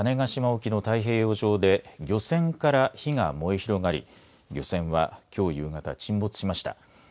次にけさ、鹿児島県種子島沖の太平洋上で漁船から火が燃え広がり漁船はきょう夕方、沈没しました。